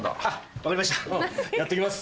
分かりましたやっときます。